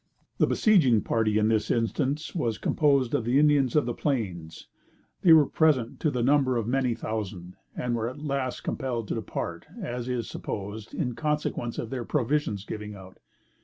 The besieging party, in this instance, was composed of the Indians of the plains; they were present to the number of many thousand, and were at last compelled to depart, as is supposed, in consequence of their provisions giving out.